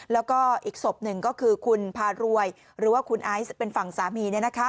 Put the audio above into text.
แล้วก็อีกศพหนึ่งก็คือคุณพารวยหรือว่าคุณไอซ์เป็นฝั่งสามี